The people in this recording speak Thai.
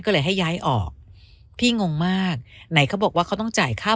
ก็เลยให้ย้ายออกพี่งงมากไหนเขาบอกว่าเขาต้องจ่ายค่า